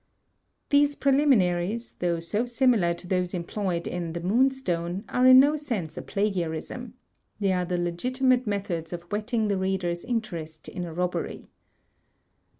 These preliminaries, though so similar to those employed in "The Moonstone," are in no sense a plagiarism. They are the legitimate methods of whetting the reader's interest in a robbery.